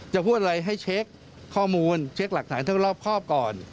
จะพูดอะไรให้เช็คข้อมูลเช็คหลักฐานทั้งรอบครอบก่อน